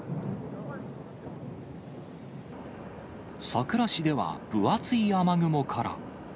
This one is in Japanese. さくら市では分厚い雨雲から。